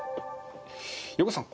横手さん